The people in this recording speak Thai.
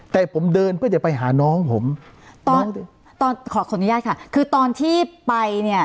แต่ผมเดินเพื่อจะไปหาน้องผมตอนตอนขอขออนุญาตค่ะคือตอนที่ไปเนี่ย